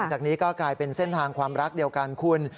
จากนี้ก็กลายเป็นเส้นทางความรักเดียวกันคุณ